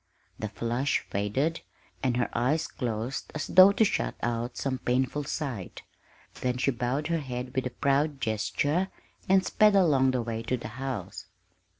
The flush faded, and her eyes closed as though to shut out some painful sight; then she bowed her head with a proud gesture, and sped along the way to the house.